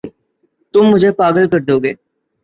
تم مجھے پاگل کر دو گے